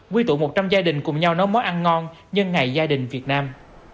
quy tụ một trăm linh gia đình cùng nhau nấu món ăn ngon nhân ngày gia đình việt nam